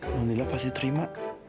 alhamdulillah pasti terima